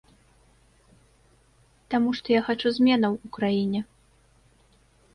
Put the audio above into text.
Таму што я хачу зменаў у краіне.